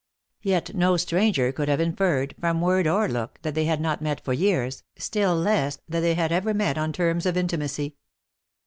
Yet no stranger could have inferred, from word or look, that they had not met for years, still less that 410 THE ACTKESS IX HIGH LIFE. they had ever met on terms of intimacy.